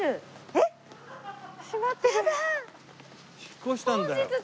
引っ越したんだよ。